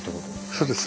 そうです。